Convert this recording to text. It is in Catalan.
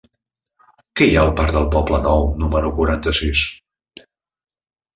Què hi ha al parc del Poblenou número quaranta-sis?